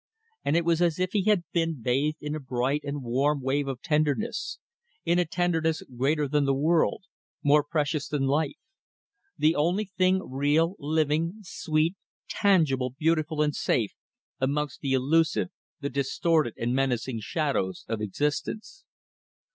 And it was as if he had been bathed in a bright and warm wave of tenderness, in a tenderness greater than the world, more precious than life; the only thing real, living, sweet, tangible, beautiful and safe amongst the elusive, the distorted and menacing shadows of existence.